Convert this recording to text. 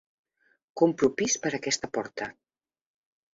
Compro pis per aquesta porta.